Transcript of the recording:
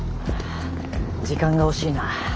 時間が惜しいな。